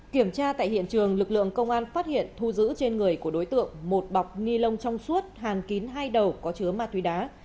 kiểm tra tại hiện trường lực lượng công an phát hiện thu giữ trên người của đối tượng một bọc ni lông trong suốt hàn kín hai đầu có chứa ma túy đá